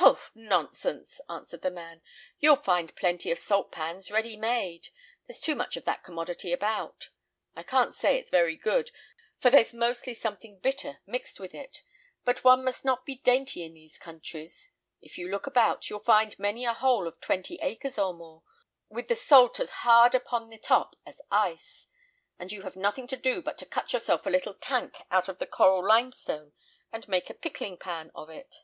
"Pooh, nonsense!" answered the man, "you'll find plenty of salt pans ready made. There's too much of that commodity about. I can't say it's very good, for there's mostly something bitter mixed with it; but one must not be dainty in these countries. If you look about, you'll find many a hole of twenty acres or more, with the salt as hard upon the top as ice. And you have nothing to do but to cut yourself a little tank out of the coral limestone, and make a pickling pan of it."